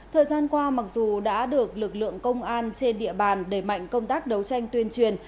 thời gian qua mặc dù đã được lực lượng công an trên địa bàn đẩy mạnh công tác đấu tranh tuyên truyền